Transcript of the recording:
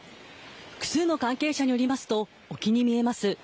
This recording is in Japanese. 複数の関係者によりますと沖に見えます